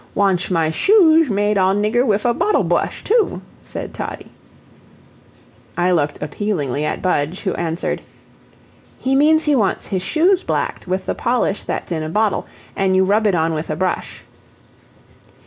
"Wantsh my shoesh made all nigger wif a bottle bwush, too," said Toddie. I looked appealingly at Budge, who answered: "He means he wants his shoes blacked, with the polish that's in a bottle, an' you rub it on with a brush."